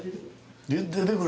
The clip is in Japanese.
出て来る？